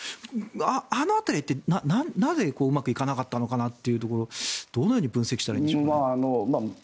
あの辺りってなぜ、うまくいかなかったのかなというところどのように分析したらいいんでしょうか？